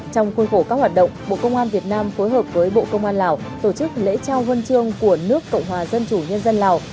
trong khuôn khổ các hoạt động bộ công an việt nam phối hợp với bộ công an lào tổ chức lễ trao huân chương của nước cộng hòa dân chủ nhân dân lào